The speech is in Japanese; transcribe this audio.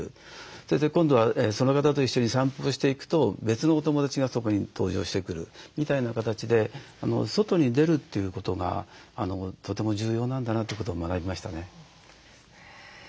それで今度はその方と一緒に散歩をしていくと別のお友だちがそこに登場してくるみたいな形で外に出るということがとても重要なんだなということを学びましたね。